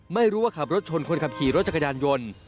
ไม่รู้ว่าขับรถชนคนขับขี่รถจักรยานยนต์